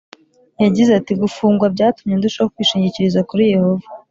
Yagize ati gufungwa byatumye ndushaho kwishingikiriza kuri Yehova